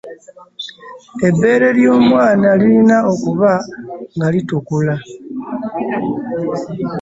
Ebbeere ly'omwana lirina okuba nga litukula.